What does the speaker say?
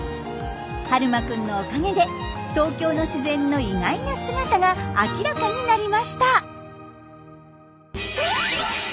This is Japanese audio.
悠真くんのおかげで東京の自然の意外な姿が明らかになりました。